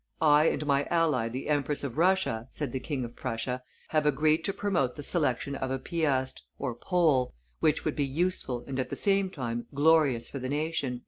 "I and my ally the Empress of Russia," said the King of Prussia, "have agreed to promote the selection of a Piast (Pole), which would be useful and at the same time glorious for the nation."